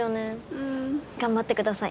うん。頑張ってください。